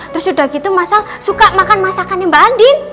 terus udah gitu mas al suka makan masakan mbak andin